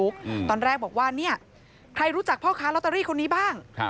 ใครรู้จักพ่อค้าล็อตเตอรี่คนนี้บ้าง